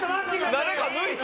誰か抜いた？